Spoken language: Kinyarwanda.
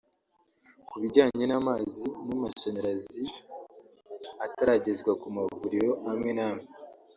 Ku bijyanye n’amazi n’amashanyarazi ataragezwa ku mavuriro amwe n’amwe